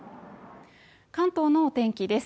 関東のお天気です。